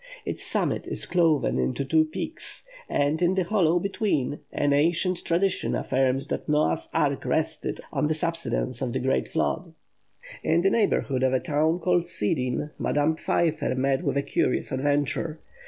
Its summit is cloven into two peaks; and in the hollow between, an ancient tradition affirms that Noah's ark rested on the subsidence of the Great Flood. In the neighbourhood of a town called Sidin, Madame Pfeiffer met with a curious adventure.